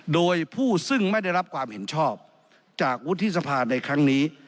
โดยผู้ซึ่งไม่ได้รับความเห็นชอบจากวุฒิสภาในครั้งนี้